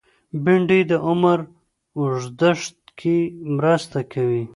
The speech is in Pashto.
بېنډۍ د عمر اوږدښت کې مرسته کوي